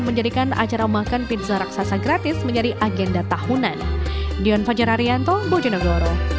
pembuatan dua buah pizza raksasa ini dilakukan di kabupaten bojonegoro minggu pagi